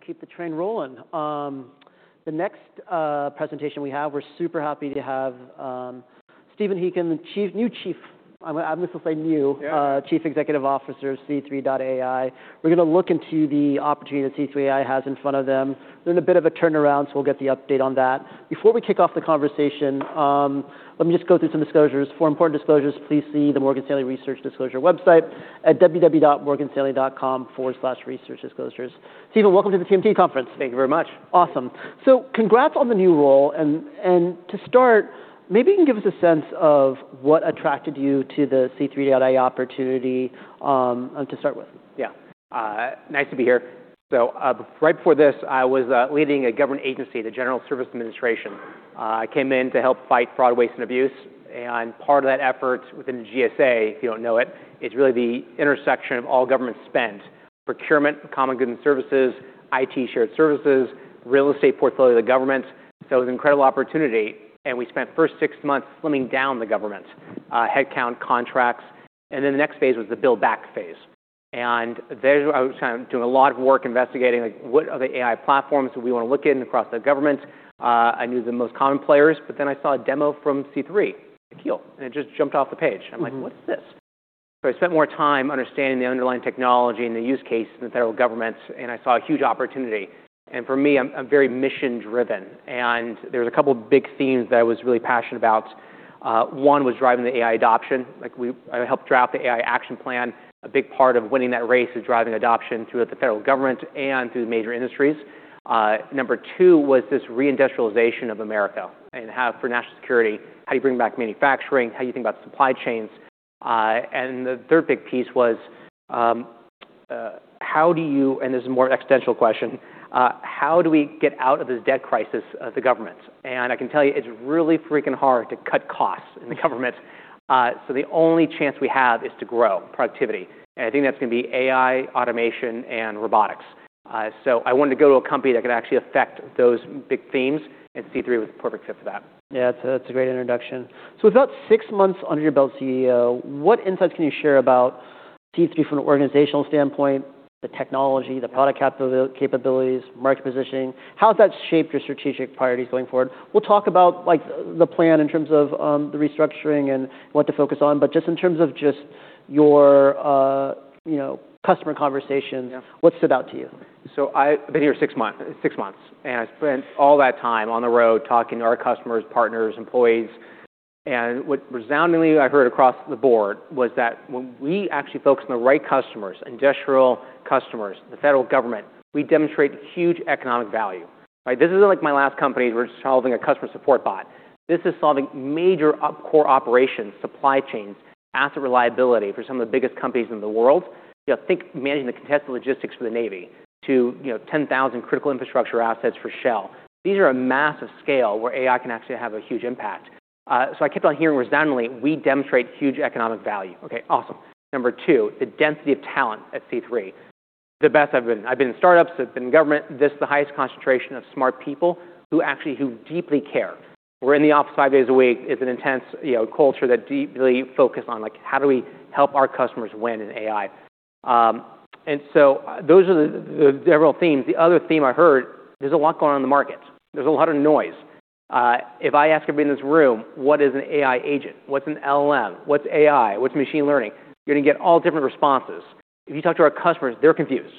All right, I'll keep the train rolling. The next presentation we have, we're super happy to have Stephen Ehikian, new chief. I'm just gonna say. Yeah. Chief Executive Officer of C3.ai. We're gonna look into the opportunity that C3.ai has in front of them. They're in a bit of a turnaround, so we'll get the update on that. Before we kick off the conversation, let me just go through some disclosures. For important disclosures, please see the Morgan Stanley Research Disclosure website at www.morganstanley.com/researchdisclosures. Stephen, welcome to the TMT conference. Thank you very much. Awesome. Congrats on the new role. To start, maybe you can give us a sense of what attracted you to the C3.ai opportunity, to start with. Yeah. nice to be here. Right before this, I was leading a government agency, the General Services Administration. I came in to help fight fraud, waste, and abuse, and part of that effort within the GSA, if you don't know it, is really the intersection of all government spend. Procurement, common good and services, IT shared services, real estate portfolio of the government. It was an incredible opportunity, and we spent the first six months slimming down the government, headcount contracts. The next phase was the build back phase. I was kind of doing a lot of work investigating, like, what are the AI platforms that we wanna look in across the government? I knew the most common players, but then I saw a demo from C3, Akhil, and it just jumped off the page. I'm like, "What's this?" I spent more time understanding the underlying technology and the use case in the federal government, and I saw a huge opportunity. For me, I'm very mission-driven. There was a couple big themes that I was really passionate about. One was driving the AI adoption. Like, I helped draft the AI Action Plan. A big part of winning that race is driving adoption throughout the federal government and through the major industries. Number two was this reindustrialization of America and how for national security, how do you bring back manufacturing? How do you think about supply chains? The third big piece was, how do you-- This is a more existential question. How do we get out of this debt crisis of the government? I can tell you, it's really freaking hard to cut costs in the government. The only chance we have is to grow productivity. I think that's gonna be AI, automation, and robotics. I wanted to go to a company that could actually affect those big themes, and C3 AI was a perfect fit for that. Yeah. That's a, that's a great introduction. With about six months under your belt, CEO, what insights can you share about C3.ai from an organizational standpoint, the technology, the product capabilities, market positioning? How has that shaped your strategic priorities going forward? We'll talk about, like, the plan in terms of the restructuring and what to focus on. But just in terms of just your, you know, customer conversations- Yeah. What stood out to you? I've been here six months, and I've spent all that time on the road talking to our customers, partners, employees. What resoundingly I heard across the board was that when we actually focus on the right customers, industrial customers, the Federal Government, we demonstrate huge economic value, right? This isn't like my last company. We're solving a customer support bot. This is solving major core operations, supply chains, asset reliability for some of the biggest companies in the world. You know, think managing the contested logistics for the Navy to, you know, 10,000 critical infrastructure assets for Shell. I kept on hearing resoundingly, we demonstrate huge economic value. Okay, awesome. Number two, the density of talent at C3, the best I've been. I've been in startups, I've been in government. This is the highest concentration of smart people who deeply care. We're in the office five days a week. It's an intense, you know, culture that deeply focus on, like, how do we help our customers win in AI? Those are the general themes. The other theme I heard, there's a lot going on in the market. There's a lot of noise. If I ask everybody in this room, what is an AI agent? What's an LLM? What's AI? What's machine learning? You're gonna get all different responses. If you talk to our customers, they're confused.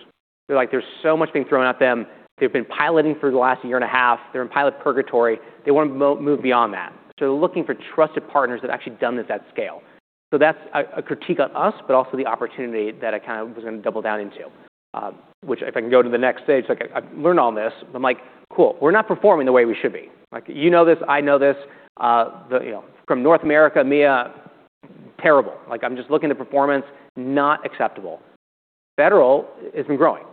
They're like, there's so much being thrown at them. They've been piloting for the last year and a half. They're in pilot purgatory. They wanna move beyond that. They're looking for trusted partners that actually done this at scale. That's a critique on us, but also the opportunity that I kind of was gonna double down into. Which if I can go to the next stage, like I've learned all this, but I'm like, cool, we're not performing the way we should be. Like, you know this, I know this. You know, from North America, EMEA, terrible. Like, I'm just looking at performance, not acceptable. Federal has been growing.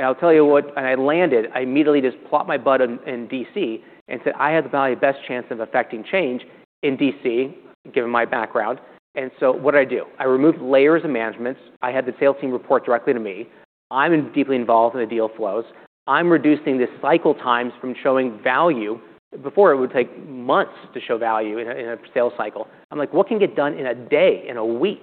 I'll tell you what. When I landed, I immediately just plopped my butt in D.C. and said, "I have the value, best chance of affecting change in D.C.," given my background. What did I do? I removed layers of management. I had the sales team report directly to me. I'm deeply involved in the deal flows. I'm reducing the cycle times from showing value. Before, it would take months to show value in a sales cycle. I'm like, "What can get done in a day, in a week?"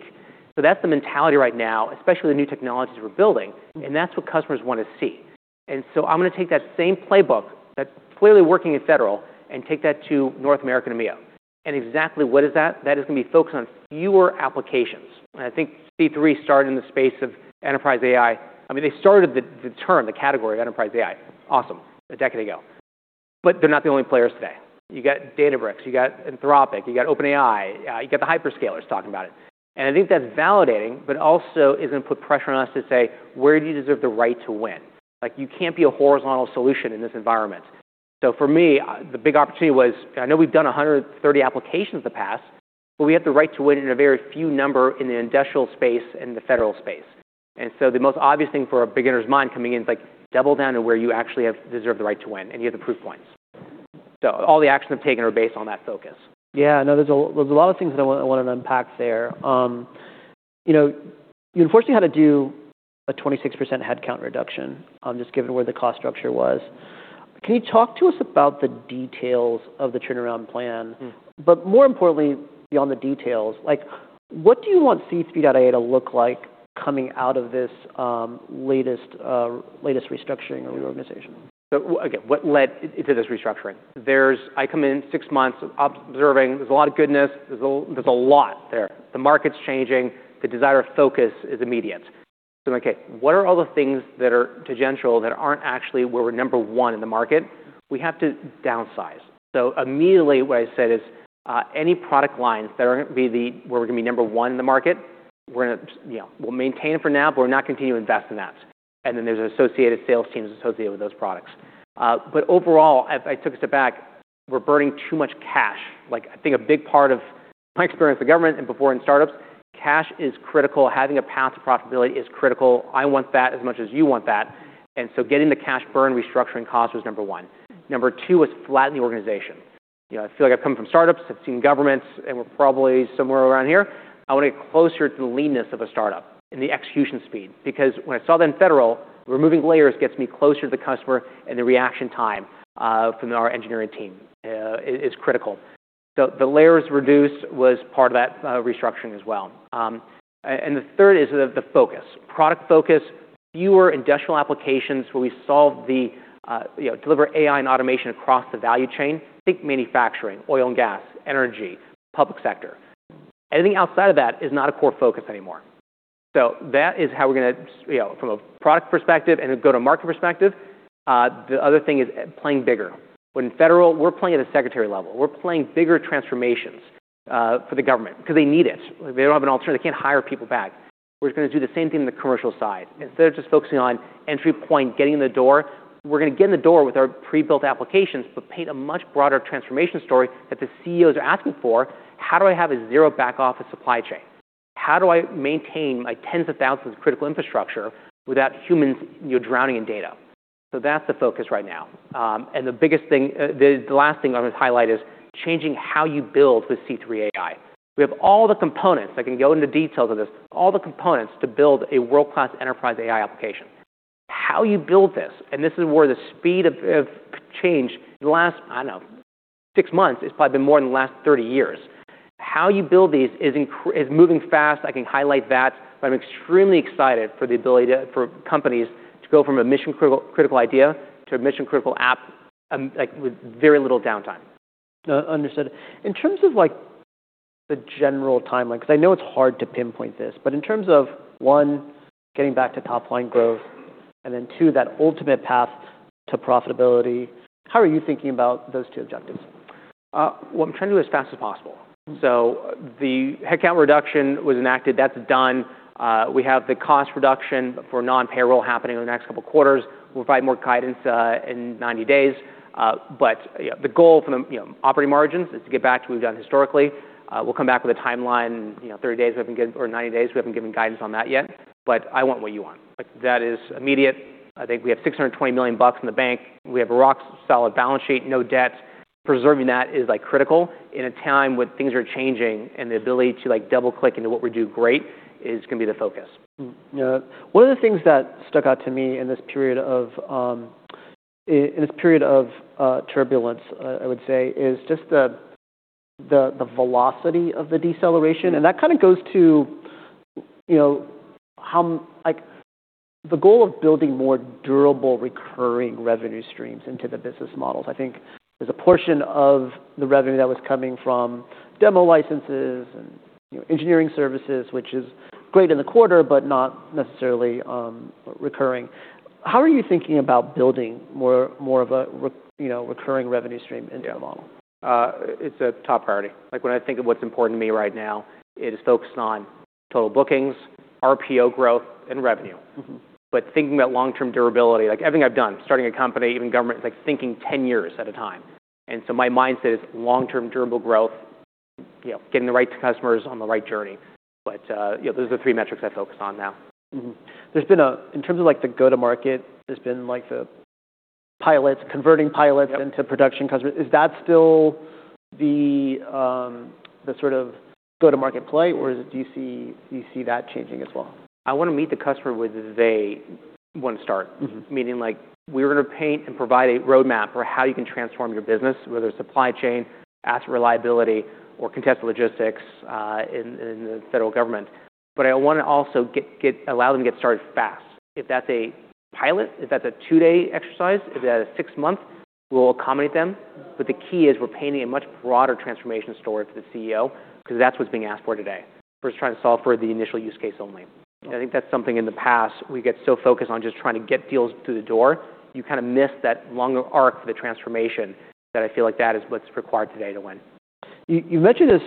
That's the mentality right now, especially the new technologies we're building, and that's what customers wanna see. I'm gonna take that same playbook that's clearly working in federal and take that to North America and EMEA. Exactly what is that? That is gonna be focused on fewer applications. I think C3.ai started in the space of enterprise AI. I mean, they started the term, the category of enterprise AI, awesome, a decade ago. But they're not the only players today. You got Databricks, you got Anthropic, you got OpenAI, you got the hyperscalers talking about it. I think that's validating, but also is gonna put pressure on us to say, where do you deserve the right to win? Like, you can't be a horizontal solution in this environment. For me, the big opportunity was, I know we've done 130 applications in the past, but we have the right to win in a very few number in the industrial space and the federal space. The most obvious thing for a beginner's mind coming in is like, double down to where you actually deserve the right to win, and you have the proof points. All the actions I've taken are based on that focus. No, there's a lot of things that I wanna unpack there. You know, you unfortunately had to do a 26% headcount reduction, just given where the cost structure was. Can you talk to us about the details of the turnaround plan? Mm-hmm. More importantly, beyond the details, like, what do you want C3.ai to look like coming out of this, latest restructuring or reorganization? Again, what led into this restructuring? I come in six months observing there's a lot of goodness. There's a lot there. The market's changing. The desire of focus is immediate. I'm like, "Okay, what are all the things that are tangential that aren't actually where we're number one in the market?" We have to downsize. Immediately what I said is, any product lines that aren't gonna be where we're gonna be number one in the market, we're gonna, you know, we'll maintain it for now, but we're not gonna continue to invest in that. There's associated sales teams associated with those products. Overall, I took a step back. We're burning too much cash. Like, I think a big part of my experience with government and before in startups, cash is critical. Having a path to profitability is critical. I want that as much as you want that. Getting the cash burn restructuring cost was number one. Number two was flatten the organization. You know, I feel like I've come from startups, I've seen governments, we're probably somewhere around here. I wanna get closer to the leanness of a startup and the execution speed. When I saw that in federal, removing layers gets me closer to the customer, and the reaction time is critical. The layers reduced was part of that restructuring as well. The third is the focus. Product focus, fewer industrial applications where we solve, you know, deliver AI and automation across the value chain. Think manufacturing, oil and gas, energy, public sector. Anything outside of that is not a core focus anymore. That is how we're gonna, you know, from a product perspective and a go-to-market perspective. The other thing is playing bigger. When federal, we're playing at a secretary level. We're playing bigger transformations for the government 'cause they need it. They don't have an alternative. They can't hire people back. We're just gonna do the same thing on the commercial side. Instead of just focusing on entry point, getting in the door, we're gonna get in the door with our pre-built applications, but paint a much broader transformation story that the CEOs are asking for. How do I have a zero back office supply chain? How do I maintain my tens of thousands of critical infrastructure without humans, you know, drowning in data? That's the focus right now. The biggest thing, the last thing I wanna highlight is changing how you build with C3 AI. We have all the components, I can go into details of this, all the components to build a world-class enterprise AI application. How you build this, and this is where the speed of change in the last, I don't know, six months is probably been more than the last 30 years. How you build these is moving fast. I can highlight that, but I'm extremely excited for the ability for companies to go from a mission-critical idea to a mission-critical app, like, with very little downtime. Understood. In terms of, like, the general timeline, 'cause I know it's hard to pinpoint this, but in terms of, one, getting back to top-line growth, and then two, that ultimate path to profitability, how are you thinking about those two objectives? Well, I'm trying to do it as fast as possible. The headcount reduction was enacted. That's done. We have the cost reduction for non-payroll happening over the next couple quarters. We'll provide more guidance in 90 days. You know, the goal from the, you know, operating margins is to get back to what we've done historically. We'll come back with a timeline, you know, 30 days we haven't given, or 90 days we haven't given guidance on that yet. I want what you want. Like, that is immediate. I think we have $620 million bucks in the bank. We have a rock solid balance sheet, no debt. Preserving that is, like, critical in a time when things are changing and the ability to, like, double-click into what we do great is gonna be the focus. Mm-hmm. Yeah. One of the things that stuck out to me in this period of turbulence, I would say, is just the velocity of the deceleration. That kind of goes to, you know, how, like. The goal of building more durable recurring revenue streams into the business models. I think there's a portion of the revenue that was coming from demo licenses and, you know, engineering services, which is great in the quarter, but not necessarily recurring. How are you thinking about building more of a, you know, recurring revenue stream into the model? Yeah. It's a top priority. Like, when I think of what's important to me right now, it is focused on total bookings, RPO growth, and revenue. Mm-hmm. Thinking about long-term durability, like everything I've done, starting a company, even government, is like thinking 10 years at a time. My mindset is long-term durable growth, you know, getting the right customers on the right journey. You know, those are the three metrics I focus on now. Mm-hmm. In terms of, like, the go-to-market, there's been, like, the pilots, converting pilots. Yep. into production customers. Is that still the sort of go-to-market play, or do you see that changing as well? I wanna meet the customer where they wanna start. Mm-hmm. Meaning, like, we're gonna paint and provide a roadmap for how you can transform your business, whether it's supply chain, asset reliability, or contested logistics, in the federal government. I wanna also allow them to get started fast. If that's a pilot, if that's a two-day exercise, if that is six months, we'll accommodate them. The key is we're painting a much broader transformation story for the CEO because that's what's being asked for today versus trying to solve for the initial use case only. I think that's something in the past we get so focused on just trying to get deals through the door, you kind of miss that longer arc for the transformation that I feel like that is what's required today to win. You mentioned this,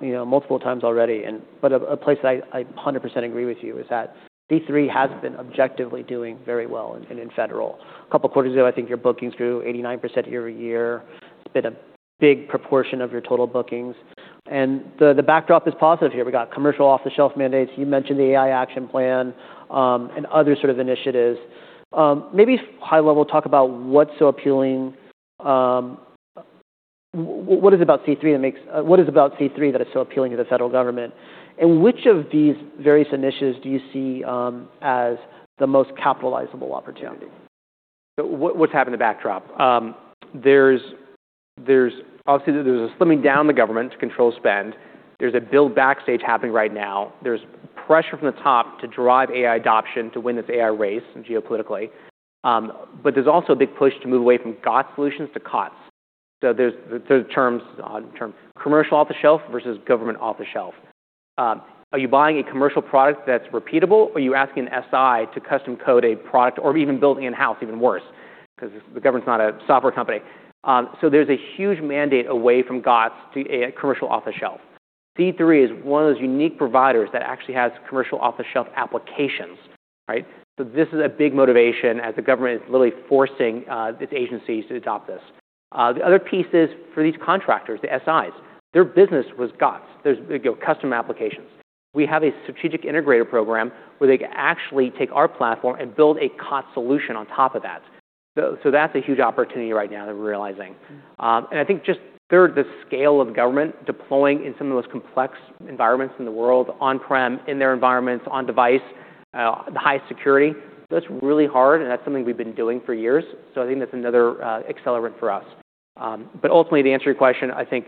you know, multiple times already but a place that I 100% agree with you is that C3 has been objectively doing very well in federal. A couple quarters ago, I think your bookings grew 89% year-over-year. It's been a big proportion of your total bookings. The backdrop is positive here. We got Commercial-Off-The-Shelf mandates. You mentioned the AI Action Plan, and other sort of initiatives. Maybe high level talk about what's so appealing, what is it about C3 that is so appealing to the federal government? Which of these various initiatives do you see as the most capitalizable opportunity? What's happening in the backdrop? There's obviously there's a slimming down the government to control spend. There's a build backstage happening right now. There's pressure from the top to drive AI adoption to win this AI race geopolitically. There's also a big push to move away from GOTS solutions to COTS. There's the terms Commercial-Off-The-Shelf versus Government-Off-The-Shelf. Are you buying a commercial product that's repeatable, or are you asking an SI to custom code a product or even build it in-house even worse? 'Cause the government's not a software company. There's a huge mandate away from GOTS to a Commercial-Off-The-Shelf. C3 is one of those unique providers that actually has Commercial-Off-The-Shelf applications, right? This is a big motivation as the government is literally forcing its agencies to adopt this. The other piece is for these contractors, the SIs, their business was GOTS. They go custom applications. We have a Strategic Integrator Program where they can actually take our platform and build a COTS solution on top of that. That's a huge opportunity right now that we're realizing. And I think just third, the scale of government deploying in some of the most complex environments in the world, on-prem, in their environments, on device, the high security, that's really hard, and that's something we've been doing for years. I think that's another accelerant for us. Ultimately, to answer your question, I think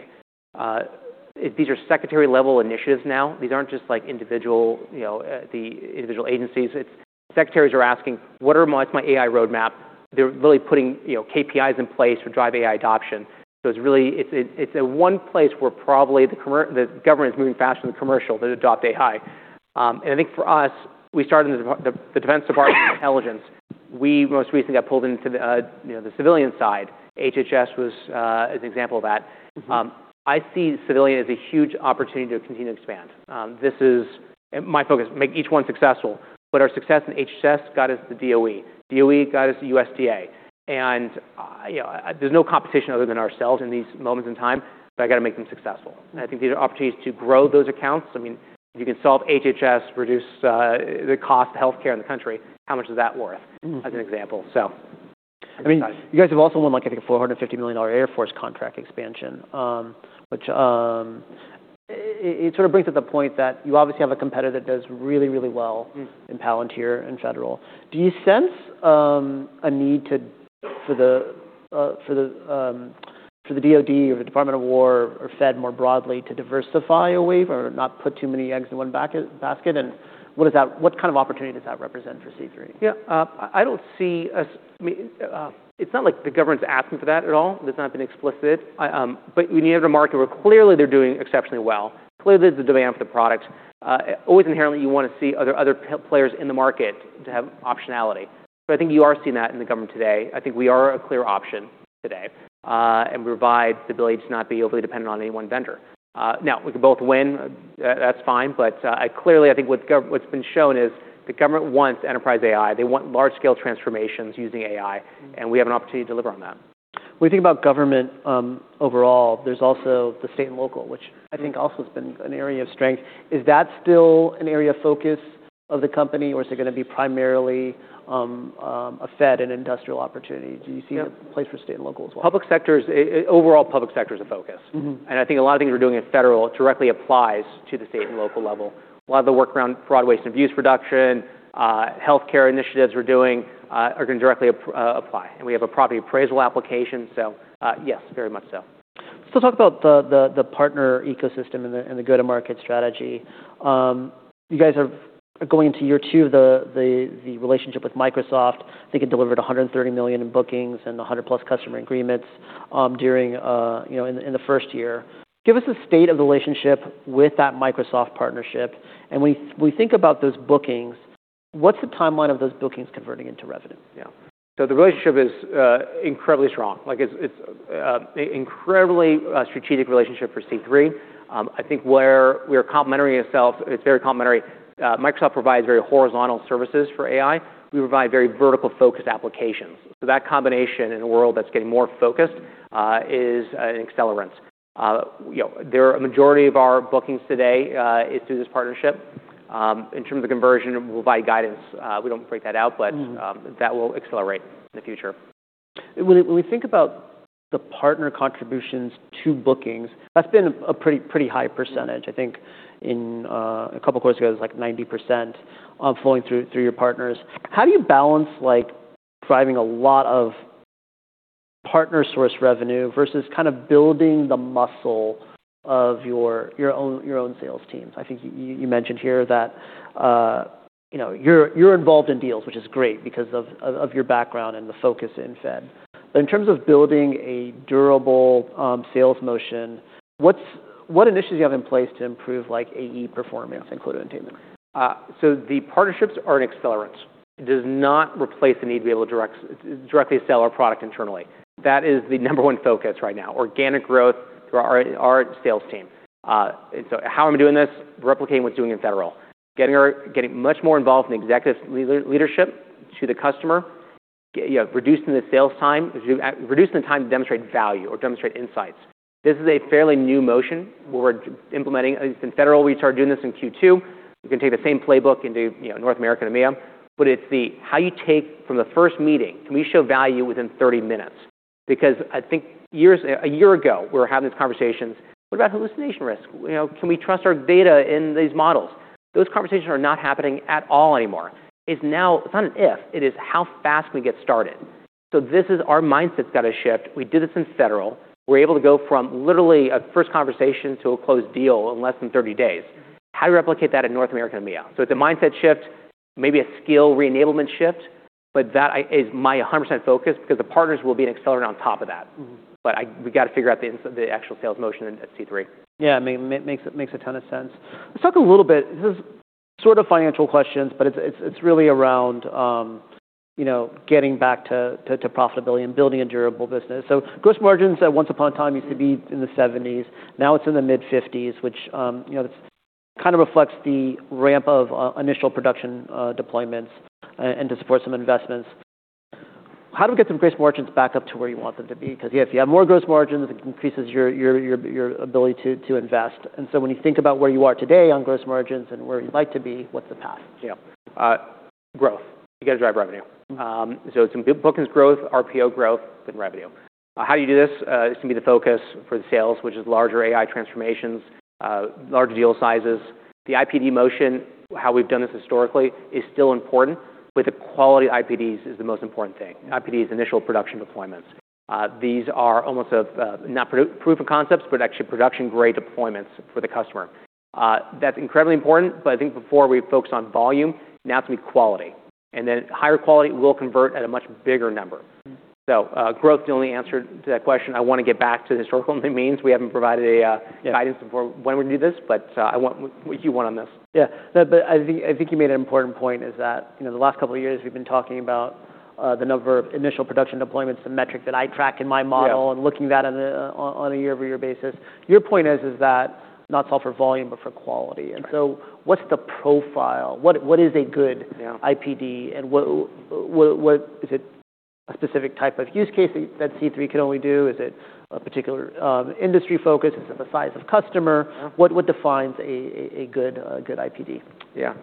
these are secretary-level initiatives now. These aren't just like individual, you know, the individual agencies. It's secretaries are asking, "What's my AI roadmap?" They're really putting, you know, KPIs in place to drive AI adoption. It's a one place where probably the government is moving faster than commercial to adopt AI. I think for us, we started in the Defense Department of Intelligence. We most recently got pulled into the, you know, the civilian side. HHS was an example of that. Mm-hmm. I see civilian as a huge opportunity to continue to expand. This is my focus, make each one successful. Our success in HHS got us the DOE. DOE got us the USDA. You know, there's no competition other than ourselves in these moments in time, but I gotta make them successful. Mm-hmm. I think these are opportunities to grow those accounts. I mean, if you can solve HHS, reduce the cost of healthcare in the country, how much is that worth? Mm-hmm. As an example. I mean, you guys have also won, like, I think, a $450 million Air Force contract expansion, which, it sort of brings up the point that you obviously have a competitor that does really, really well. Mm. in Palantir and Federal. Do you sense a need to, for the, for the DOD or the Department of War or Fed more broadly to diversify a wave or not put too many eggs in one basket? What kind of opportunity does that represent for C3? Yeah. I don't see I mean, it's not like the government's asking for that at all. That's not been explicit. When you have a market where clearly they're doing exceptionally well, clearly there's a demand for the product, always inherently you wanna see other players in the market to have optionality. I think you are seeing that in the government today. I think we are a clear option today and provide the ability to not be overly dependent on any one vendor. Now we can both win. That's fine. Clearly I think what's been shown is the government wants enterprise AI. They want large scale transformations using AI, and we have an opportunity to deliver on that. When you think about government, overall, there's also the state and local, which I think also has been an area of strength. Is that still an area of focus of the company, or is it gonna be primarily, a Fed and industrial opportunity? Yeah. A place for state and local as well? Overall public sector is a focus. Mm-hmm. I think a lot of things we're doing at Federal directly applies to the state and local level. A lot of the work around fraud, waste, and abuse reduction, healthcare initiatives we're doing are gonna directly apply. We have a property appraisal application. Yes, very much so. Let's talk about the partner ecosystem and the go-to-market strategy. You guys are going into year two of the relationship with Microsoft. I think it delivered $130 million in bookings and 100+ customer agreements, you know, in the first year. Give us the state of the relationship with that Microsoft partnership. When we think about those bookings, what's the timeline of those bookings converting into revenue? Yeah. The relationship is incredibly strong. Like it's incredibly strategic relationship for C3. I think where we're complementary itself, it's very complementary. Microsoft provides very horizontal services for AI. We provide very vertical-focused applications. That combination in a world that's getting more focused, is an accelerant. You know, there are a majority of our bookings today, is through this partnership. In terms of conversion, we'll provide guidance. We don't break that out, but- Mm. That will accelerate in the future. When we think about the partner contributions to bookings, that's been a pretty high percentage. I think in a couple quarters ago, it was like 90%, flowing through your partners. How do you balance like driving a lot of partner source revenue versus kind of building the muscle of your own sales teams? I think you mentioned here that, you know, you're involved in deals, which is great because of your background and the focus in Fed. In terms of building a durable sales motion, what initiatives do you have in place to improve like AE performance and quota attainment? The partnerships are an accelerant. It does not replace the need to be able to direct, directly sell our product internally. That is the number one focus right now, organic growth through our sales team. How am I doing this? Replicating what's doing in Federal. Getting much more involved in executive leader, leadership to the customer. You know, reducing the sales time. Reducing the time to demonstrate value or demonstrate insights. This is a fairly new motion we're implementing. In Federal, we started doing this in Q2. We can take the same playbook into, you know, North America and EMEA, but it's the how you take from the first meeting, can we show value within 30 minutes? Because I think a year ago, we were having these conversations. What about hallucination risk? You know, can we trust our data in these models? Those conversations are not happening at all anymore. It's now, it's not an if, it is how fast can we get started. This is our mindset's got to shift. We did this in Federal. We're able to go from literally a first conversation to a closed deal in less than 30 days. How do we replicate that in North America and EMEA? It's a mindset shift, maybe a skill re-enablement shift, but that is my 100% focus because the partners will be an accelerant on top of that. Mm-hmm. We got to figure out the actual sales motion at C3. Yeah. I mean, it makes a ton of sense. Let's talk a little bit, this is sort of financial questions, but it's really around, you know, getting back to profitability and building a durable business. Gross margins at once upon a time used to be in the 70s, now it's in the mid-50s, which, you know, this kind of reflects the ramp of initial production deployments and to support some investments. How do we get some gross margins back up to where you want them to be? Because, yeah, if you have more gross margins, it increases your ability to invest. When you think about where you are today on gross margins and where you'd like to be, what's the path? Yeah. Growth. You got to drive revenue. It's in bookings growth, RPO growth, then revenue. How do you do this? It's gonna be the focus for the sales, which is larger AI transformations, larger deal sizes. The IPD motion, how we've done this historically is still important. The quality IPDs is the most important thing. IPD is Integrated Project Delivery. These are almost of, not proof of concepts, but actually production-grade deployments for the customer. That's incredibly important. I think before we focused on volume, now it's gonna be quality. Higher quality will convert at a much bigger number. Mm-hmm. Growth, the only answer to that question, I wanna get back to the historical means. We haven't provided a guidance for when we do this, but what you want on this. Yeah. No, I think you made an important point is that, you know, the last couple of years we've been talking about the number of Integrated Project Delivery, the metric that I track in my model. Yeah. Looking that on a year-over-year basis. Your point is that not solve for volume, but for quality. Correct. What's the profile? What is a. Yeah. -IPD and what is it a specific type of use case that C3 can only do? Is it a particular industry focus? Is it the size of customer? Yeah. What defines a good IPD? Yeah.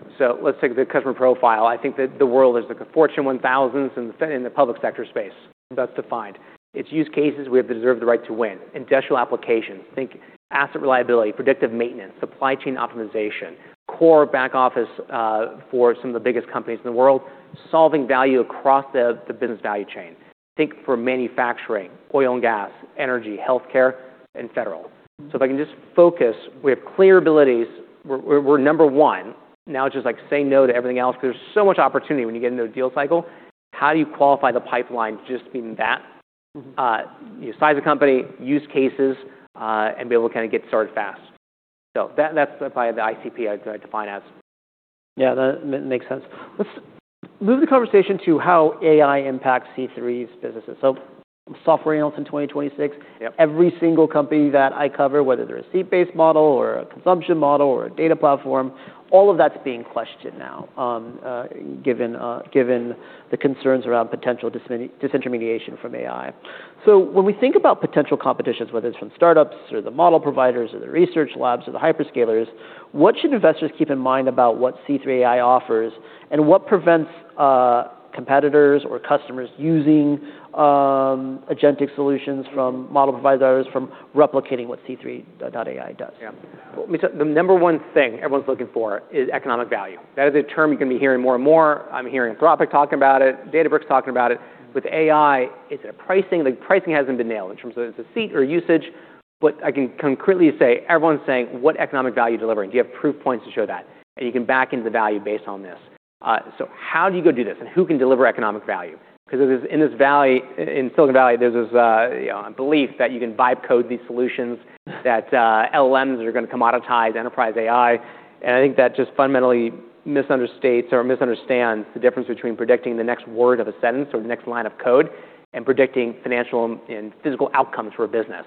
Let's take the customer profile. I think that the world is the Fortune 1000s in the public sector space. That's defined. It's use cases we have deserved the right to win. Industrial applications, think asset reliability, predictive maintenance, supply chain optimization, core back office for some of the biggest companies in the world, solving value across the business value chain. Think for manufacturing, oil and gas, energy, healthcare, and federal. Mm-hmm. If I can just focus, we have clear abilities. We're number one. Now, just like say no to everything else, 'cause there's so much opportunity when you get into a deal cycle. How do you qualify the pipeline just being that? Mm-hmm. You size a company, use cases, and be able to kind of get started fast. That's by the ICP I define as. Yeah, that makes sense. Let's move the conversation to how AI impacts C3's businesses. software announcement in 2026. Yep. Every single company that I cover, whether they're a seat-based model or a consumption model or a data platform, all of that's being questioned now, given the concerns around potential disintermediation from AI. When we think about potential competitions, whether it's from startups or the model providers or the research labs or the hyperscalers, what should investors keep in mind about what C3 AI offers and what prevents competitors or customers using agentic solutions from model providers from replicating what C3.ai does? The number one thing everyone's looking for is economic value. That is a term you're gonna be hearing more and more. I'm hearing Anthropic talking about it, Databricks talking about it. With AI, is it pricing? The pricing hasn't been nailed in terms of is it a seat or usage. I can concretely say everyone's saying, what economic value you delivering? Do you have proof points to show that? You can back into the value based on this. How do you go do this and who can deliver economic value? It is in Silicon Valley, there's this, you know, belief that you can vibe code these solutions that LLMs are gonna commoditize enterprise AI. I think that just fundamentally misunderstates or misunderstands the difference between predicting the next word of a sentence or the next line of code and predicting financial and physical outcomes for a business.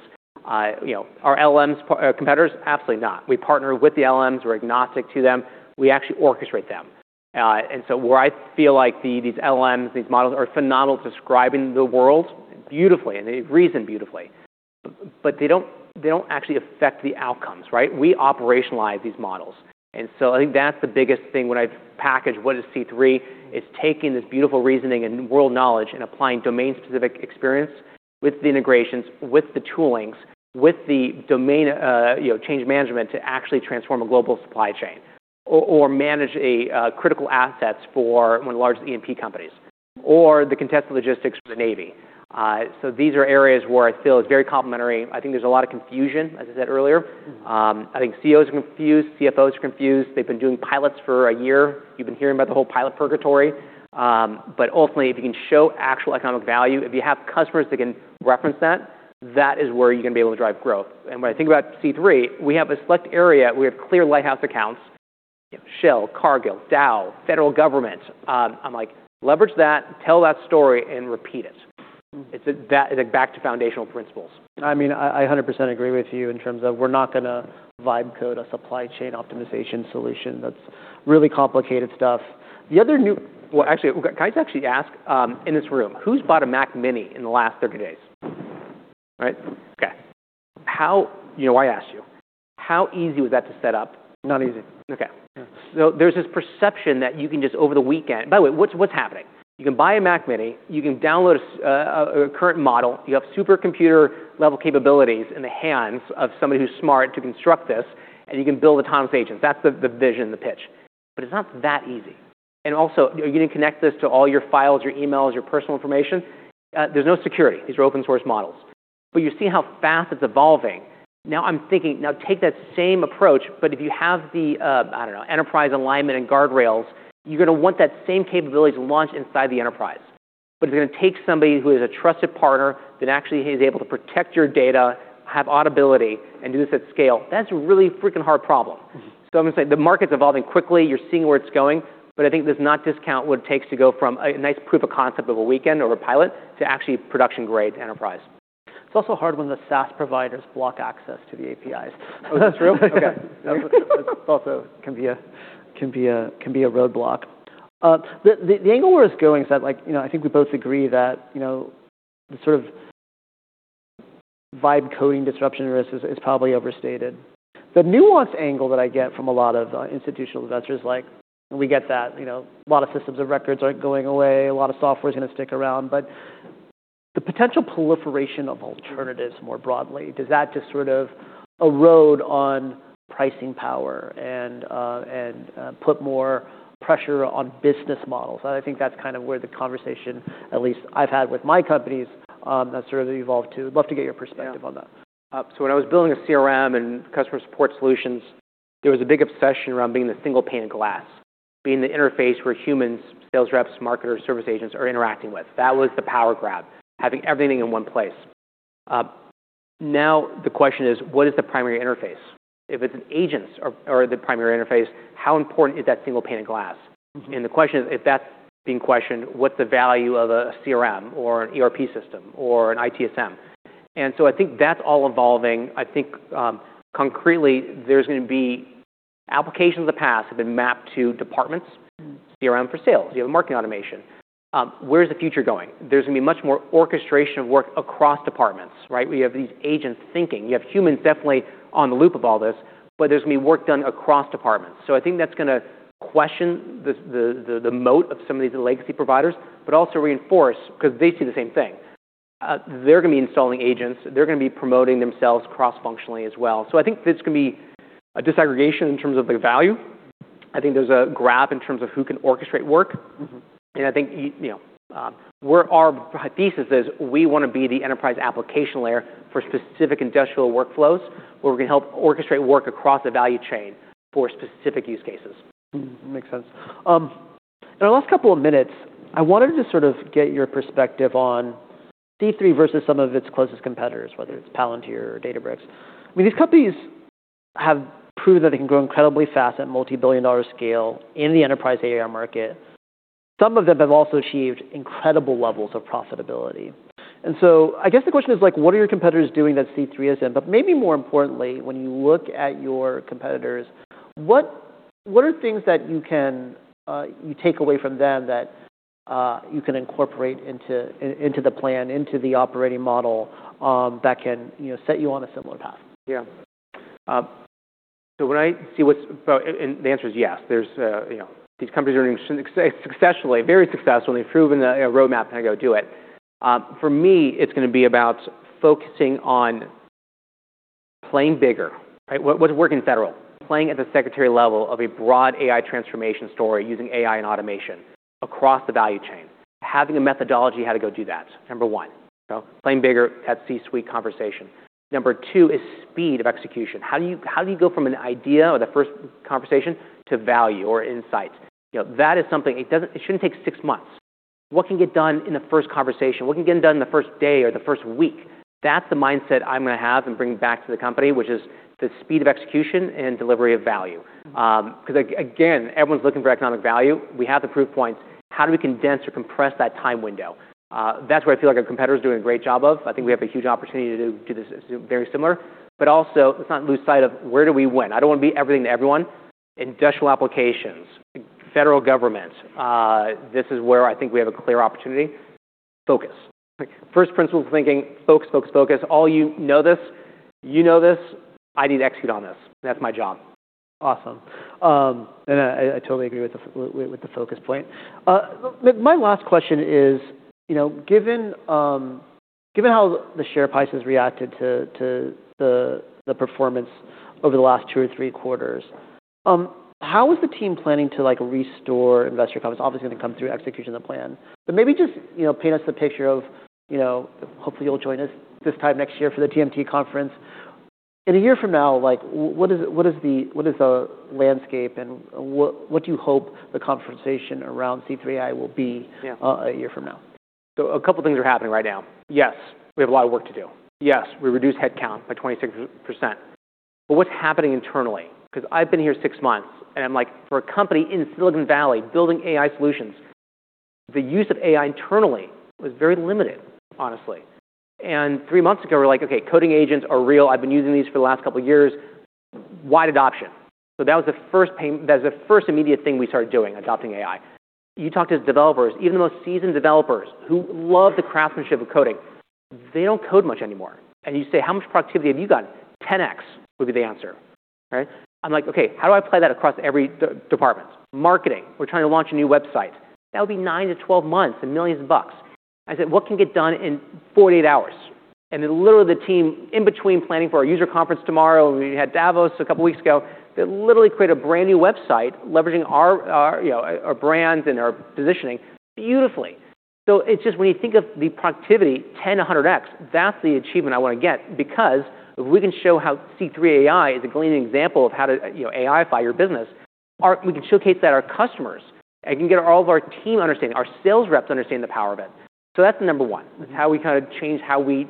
You know, are LLMs competitors? Absolutely not. We partner with the LLMs. We're agnostic to them. We actually orchestrate them. So where I feel like these LLMs, these models are phenomenal describing the world beautifully, and they reason beautifully, but they don't actually affect the outcomes, right? We operationalize these models. I think that's the biggest thing when I package what is C3 AI, is taking this beautiful reasoning and world knowledge and applying domain-specific experience with the integrations, with the toolings, with the domain, you know, change management to actually transform a global supply chain or manage a critical assets for one of the large E&P companies or the contested logistics for the Navy. These are areas where I feel it's very complimentary. I think there's a lot of confusion, as I said earlier. Mm-hmm. I think CEOs are confused, CFOs are confused. They've been doing pilots for a year. You've been hearing about the whole pilot purgatory. But ultimately, if you can show actual economic value, if you have customers that can reference that is where you're gonna be able to drive growth. When I think about C3, we have a select area. We have clear lighthouse accounts, you know, Shell, Cargill, Dow, federal government. I'm like, leverage that, tell that story, and repeat it. Mm-hmm. It's that, like, back to foundational principles. I mean, I 100% agree with you in terms of we're not gonna write code a supply chain optimization solution. That's really complicated stuff. Well, actually, can I actually ask in this room, who's bought a Mac mini in the last 30 days? Right? Okay. How, you know, I asked you, how easy was that to set up? Not easy. Okay. There's this perception that you can just over the weekend-- By the way, what's happening? You can buy a Mac mini, you can download a current model. You have supercomputer-level capabilities in the hands of somebody who's smart to construct this, and you can build autonomous agents. That's the vision, the pitch. It's not that easy. Also, you're gonna connect this to all your files, your emails, your personal information. There's no security. These are open-source models. You see how fast it's evolving. Now I'm thinking, now take that same approach, but if you have the, I don't know, enterprise alignment and guardrails, you're gonna want that same capability to launch inside the enterprise. If you're gonna take somebody who is a trusted partner that actually is able to protect your data, have audibility, and do this at scale, that's a really freaking hard problem. Mm-hmm. I'm gonna say the market's evolving quickly. You're seeing where it's going. I think let's not discount what it takes to go from a nice proof of concept of a weekend or a pilot to actually production-grade enterprise. It's also hard when the SaaS providers block access to the APIs. Oh, that's real? Okay. That also can be a roadblock. The angle where it's going is that, like, you know, I think we both agree that, you know, the sort of vibe coding disruption risk is probably overstated. The nuanced angle that I get from a lot of institutional investors, like, we get that, you know, a lot of systems of records aren't going away, a lot of software's gonna stick around. The potential proliferation of alternatives more broadly, does that just sort of erode on pricing power and put more pressure on business models? I think that's kind of where the conversation, at least I've had with my companies, that sort of evolved too. Love to get your perspective on that. Yeah. When I was building a CRM and customer support solutions, there was a big obsession around being the single pane of glass, being the interface where humans, sales reps, marketers, service agents are interacting with. That was the power grab, having everything in one place. Now the question is, what is the primary interface? If it's agents are the primary interface, how important is that single pane of glass? Mm-hmm. The question is, if that's being questioned, what's the value of a CRM or an ERP system or an ITSM? I think that's all evolving. I think, concretely, there's gonna be applications of the past have been mapped to departments. Mm-hmm. CRM for sales. You have marketing automation. Where's the future going? There's gonna be much more orchestration of work across departments, right? Where you have these agents thinking. You have humans definitely on the loop of all this, but there's gonna be work done across departments. I think that's gonna question the moat of some of these legacy providers, but also reinforce because they see the same thing. They're gonna be installing agents. They're gonna be promoting themselves cross-functionally as well. I think there's gonna be a disaggregation in terms of the value. I think there's a grab in terms of who can orchestrate work. Mm-hmm. I think, you know, where our thesis is we wanna be the enterprise application layer for specific industrial workflows where we can help orchestrate work across the value chain for specific use cases. Makes sense. In our last couple of minutes, I wanted to sort of get your perspective on C3 versus some of its closest competitors, whether it's Palantir or Databricks. I mean, these companies have proven that they can grow incredibly fast at multi-billion dollar scale in the enterprise AI market. Some of them have also achieved incredible levels of profitability. I guess the question is like, what are your competitors doing that C3 hasn't? Maybe more importantly, when you look at your competitors, what are things that you can take away from them that you can incorporate into the plan, into the operating model, that can, you know, set you on a similar path? Yeah. The answer is yes. There's, you know, these companies are doing successfully, very successfully proven the, you know, roadmap how to go do it. For me, it's gonna be about focusing on playing bigger, right? What's working federal, playing at the secretary level of a broad AI transformation story using AI and automation across the value chain, having a methodology how to go do that, number one. Playing bigger at C-suite conversation. Number two is speed of execution. How do you go from an idea or the first conversation to value or insights? You know, that is something. It shouldn't take six months. What can get done in the first conversation? What can get done in the first day or the first week? That's the mindset I'm gonna have and bring back to the company, which is the speed of execution and delivery of value. Mm-hmm. 'Cause again, everyone's looking for economic value. We have the proof points. How do we condense or compress that time window? That's where I feel like our competitors are doing a great job of. I think we have a huge opportunity to do this very similar. Let's not lose sight of where do we win. I don't wanna be everything to everyone. Industrial applications, Federal Government, this is where I think we have a clear opportunity. Focus. Okay. First principle of thinking, focus, focus. All you know this. You know this. I need to execute on this. That's my job. Awesome. I totally agree with the focus point. My last question is, you know, given how the share price has reacted to the performance over the last two or three quarters, how is the team planning to, like, restore investor confidence? Obviously, it's gonna come through execution of the plan. Maybe just, you know, paint us the picture of, you know, hopefully, you'll join us this time next year for the TMT conference. In a year from now, like, what is the landscape and what do you hope the conversation around C3.ai will be- Yeah. a year from now? A couple things are happening right now. Yes, we have a lot of work to do. Yes, we reduced headcount by 26%. What's happening internally? 'Cause I've been here six months, and I'm like, for a company in Silicon Valley building AI solutions, the use of AI internally was very limited, honestly. Three months ago, we're like, "Okay, coding agents are real. I've been using these for the last couple years. Wide adoption." That was the first immediate thing we started doing, adopting AI. You talk to developers, even the most seasoned developers who love the craftsmanship of coding, they don't code much anymore. You say, "How much productivity have you gotten?" 10x would be the answer, right? I'm like, "Okay, how do I apply that across every de-department?" Marketing, we're trying to launch a new website. That would be 9-12 months and millions of bucks. I said, "What can get done in 48 hours?" Literally the team in between planning for our user conference tomorrow, we had Davos a couple of weeks ago. They literally created a brand new website leveraging our, you know, our brands and our positioning beautifully. It's just when you think of the productivity, 10x, 100x, that's the achievement I want to get because if we can show how C3 AI is a gleaming example of how to, you know, AI-fy your business, we can showcase that our customers and can get all of our team understanding, our sales reps understanding the power of it. That's number one, is how we kinda change how we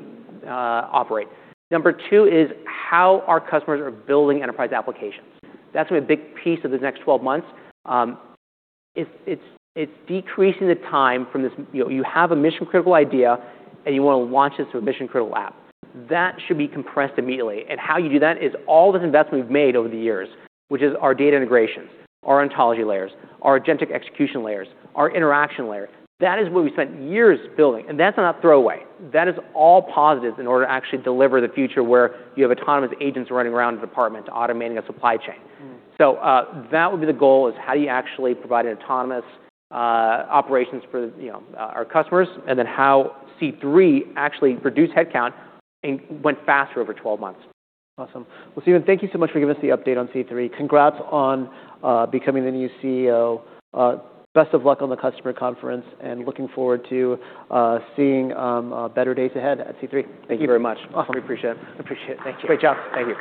operate. Number two is how our customers are building enterprise applications. That's gonna be a big piece of the next 12 months. It's decreasing the time from this, you know, you have a mission-critical idea, and you wanna launch this to a mission-critical app. That should be compressed immediately. How you do that is all this investment we've made over the years, which is our data integrations, our ontology layers, our agentic execution layers, our interaction layer. That is what we spent years building, and that's not throwaway. That is all positive in order to actually deliver the future where you have autonomous agents running around the department automating a supply chain. Mm. That would be the goal, is how do you actually provide an autonomous operations for, you know, our customers, and then how C3 actually reduced headcount and went faster over 12 months. Awesome. Well, Stephen, thank you so much for giving us the update on C3. Congrats on becoming the new CEO. Best of luck on the customer conference. Looking forward to seeing better days ahead at C3. Thank you. Thank you very much. Awesome. Appreciate it. Appreciate it. Thank you. Great job. Thank you.